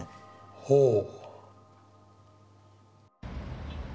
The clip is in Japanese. ほう。